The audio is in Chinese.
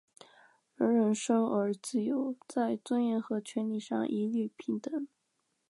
人人生而自由，在尊严和权利上一律平等。